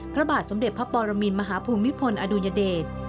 พระบาทสมเด็จพระปรมินมหาภูมิพลอดุญเดช